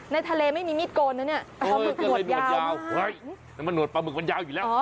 ในทะเลไม่มีมีดโกนนะเนี่ยปลาหมึกหวดยาวน้ำมันหวดปลาหมึกมันยาวอยู่แล้ว